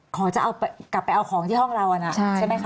กลับไปเอาของที่ห้องเรานะใช่ไหมคะ